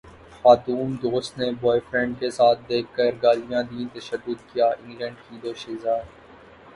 خاتون دوست نے بوائے فرینڈ کے ساتھ دیکھ کر گالیاں دیں تشدد کیا انگلینڈ کی دوشیزہ